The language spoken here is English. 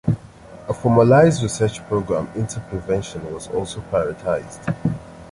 A formalized research program into prevention was also prioritized.